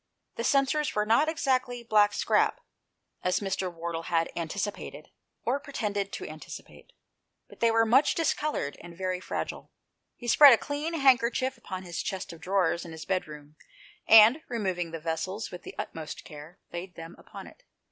The censers were not exactly " black scrap," as Mr. Wardle had anticipated, or pretended to anticipate, but they were much discoloured, and very fragile. He spread a clean handkerchief upon the chest of drawers in his bedroom, and, removing the vessels with the utmost care, laid them upon it.